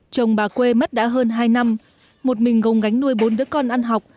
chồng bà quê mất đã hơn hai năm một mình gồng gánh nuôi bốn đứa con ăn học